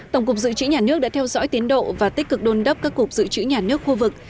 tổng cục dự trữ nhà nước đã theo dõi tiến độ và tích cực đôn đốc các cục dự trữ nhà nước khu vực